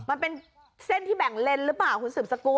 มันเป็นเส้นที่แบ่งเลนหรือเปล่าคุณสืบสกุล